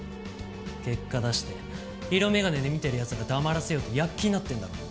結果出して色眼鏡で見てる奴ら黙らせようと躍起になってんだろ。